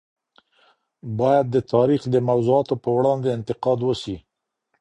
باید د تاریخ د موضوعاتو په وړاندي انتقاد وسي.